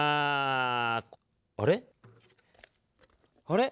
あれ？